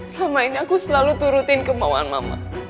selama ini aku selalu turutin kemauan mama